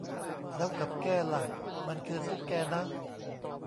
แล้วกับแก้ล่ะ มันคือตุ๊กแกนะ